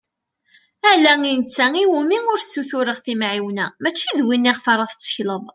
Ala i netta iwumi ur ssutureɣ timεiwna, mačči d win iɣef ara tettekleḍ.